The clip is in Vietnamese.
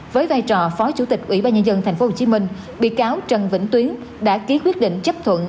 với vai trò phó chủ tịch ủy ban nhân dân thành phố hồ chí minh biệt cáo trần vĩnh tuyến đã ký quyết định chấp thuận